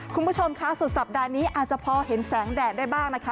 คุณผู้ชมค่ะสุดสัปดาห์นี้อาจจะพอเห็นแสงแดดได้บ้างนะคะ